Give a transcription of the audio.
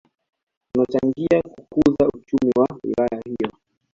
Zinachangia kukuza uchumi wa wilaya hiyo